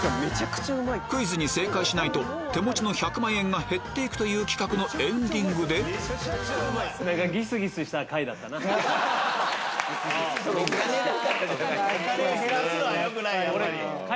クイズに正解しないと手持ちの１００万円が減って行くという企画のエンディングでお金だからじゃないですか。